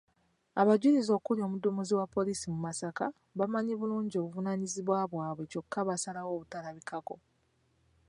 Abajulizi okuli omuduumizi wa poliisi mu Masaka bamanyi bulungi obuvunaanyizibwa bwabwe kyokka baasalawo obutalabikako.